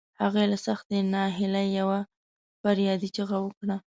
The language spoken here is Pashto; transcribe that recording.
هغې له سختې ناهيلۍ يوه فریادي چیغه وکړه.